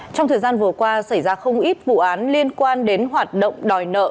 trong thời gian vừa qua xảy ra không ít vụ án liên quan đến hoạt động đòi nợ